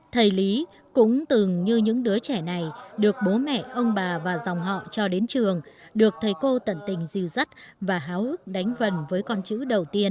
thầy lý cũng từng như những đứa trẻ này được bố mẹ ông bà và dòng họ cho đến trường được thầy cô tận tình dìu dắt và háo ước đánh vần với con chữ đầu tiên